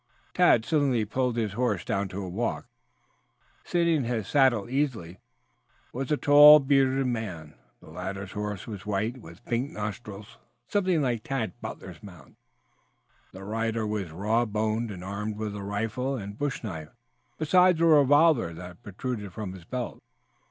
Tad suddenly pulled his horse down to a walk. Ahead of him, sitting his saddle easily, was a tall, bearded man. The latter's horse was white, with pink nostrils, something like Tad Butler's mount. The rider was raw boned and armed with rifle and bush knife, besides a revolver that protruded from his belt.